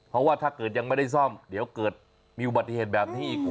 เพราะว่าถ้าเกิดยังไม่ได้ซ่อมเดี๋ยวเกิดมีอุบัติเหตุแบบนี้อีก